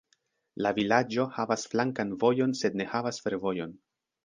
La vilaĝo havas flankan vojon sed ne havas fervojon.